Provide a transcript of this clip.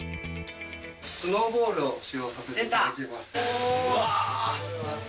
スノーボールを使用させていうわー。